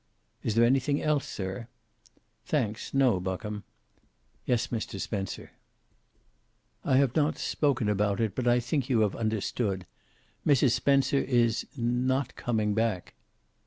"Is there anything else, sir?" "Thanks, no. Buckham." "Yes, Mr. Spencer." "I have not spoken about it, but I think you have understood. Mrs. Spencer is not coming back."